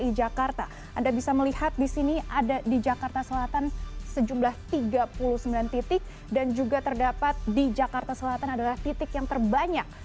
di jakarta anda bisa melihat di sini ada di jakarta selatan sejumlah tiga puluh sembilan titik dan juga terdapat di jakarta selatan adalah titik yang terbanyak